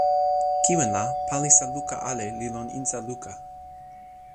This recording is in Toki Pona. kiwen la, palisa luka ale li lon insa luka.